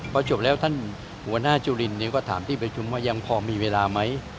พอจบแล้วท่านหัวหน้าจุลินก็ถามที่ประชุมว่ายังพอมีเวลาไหม